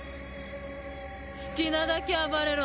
好きなだけ暴れろ。